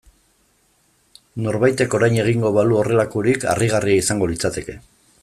Norbaitek orain egingo balu horrelakorik harrigarria izango litzateke.